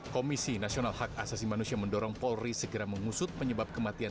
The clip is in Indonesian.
komisi nasional hak asasi manusia mendorong polri segera mengusut penyebab kematian